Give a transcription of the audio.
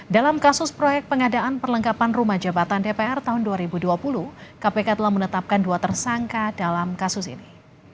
dalam kasus proyek pengadaan perlengkapan rumah jabatan dpr tahun dua ribu dua puluh kpk telah menetapkan dua tersangka dalam kasus ini